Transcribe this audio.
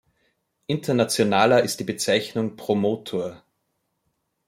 Internationaler ist die Bezeichnung Promotor.